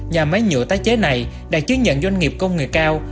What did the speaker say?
nhà máy nhựa tái chế này đã chứng nhận doanh nghiệp công nghệ cao